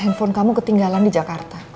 handphone kamu ketinggalan di jakarta